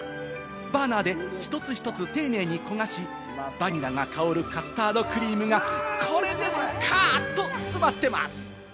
バーナーで１つ１つ丁寧に焦がし、バニラが香るカスタードクリームがこれでもか！と詰まってます。